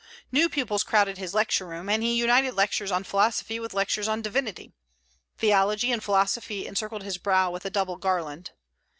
New pupils crowded his lecture room, and he united lectures on philosophy with lectures on divinity. "Theology and philosophy encircled his brow with a double garland."